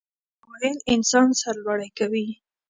ریښتیا ویل انسان سرلوړی کوي